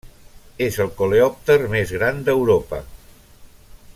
És el coleòpter més gran d'Europa.